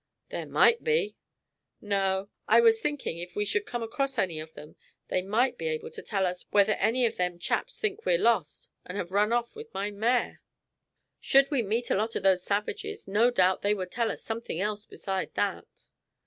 "There might be! No; I was thinking if we should come across any of them, they might be able to tell us whether any of them chaps think we're lost, and have run off with my mare." "Should we meet a lot of those savages, no doubt they would tell us something else besides that."